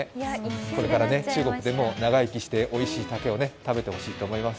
これから中国でも長生きして、おいしい竹を食べてほしいと思います。